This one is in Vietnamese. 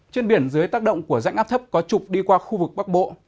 trên biển dưới tác động của rãnh áp thấp có trục đi qua khu vực bắc bộ